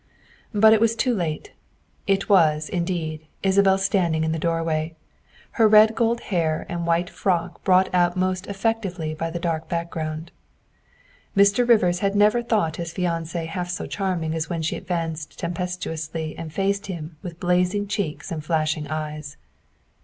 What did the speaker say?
But it was too late. It was, indeed, Isabel standing in the doorway, her red gold hair and white frock brought out most effectively by the dark background. Mr. Rivers had never thought his fiancee half so charm ing as when she advanced tempestuously and faced him with blazing cheeks and flashing eyes.